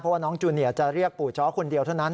เพราะว่าน้องจูเนียจะเรียกปู่จ้อคนเดียวเท่านั้น